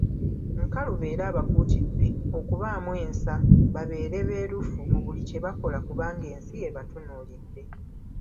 Nkalubo era abakuutidde okubaamu ensa, babeere beerufu mu buli kye bakola kubanga ensi ebatunuulidde.